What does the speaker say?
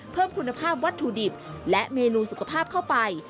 เพิ่มคุณภาพวัตถุดิบและเมนูสุขภาพเข้าไป